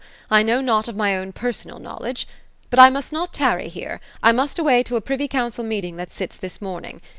I know not of my own personal knowledge. But I must not tarry here ; I must away to a priyy council meeting that sits this morning.